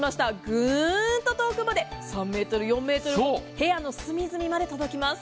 ぐーっと遠くまで３ｍ、４ｍ、部屋の隅々まで届きます。